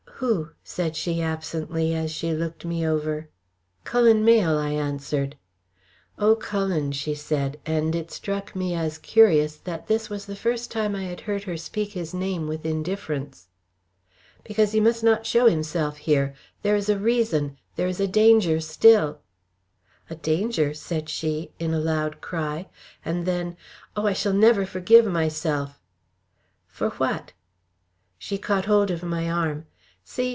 "Who?" said she absently, as she looked me over. "Cullen Mayle," I answered. "Oh, Cullen," she said, and it struck me as curious that this was the first time I had heard her speak his name with indifference. "Because he must not show himself here. There is a reason! There is a danger still!" "A danger," she said, in a loud cry, and then "Oh! I shall never forgive myself!" "For what?" She caught hold of my arm. "See?"